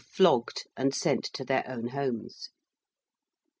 flogged and sent to their own homes.